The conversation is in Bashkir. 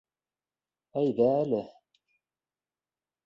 Әйҙә әле...